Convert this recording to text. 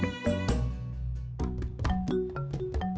iya kang cepet kang